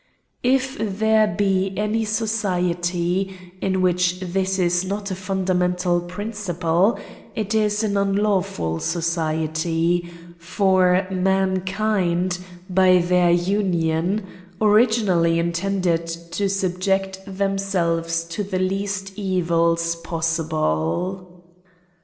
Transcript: If there be any society in which this is not a funda mental principle, it is an unlawful society ; for mankind, by their union, originally intended to subject themselves to the least evils possible.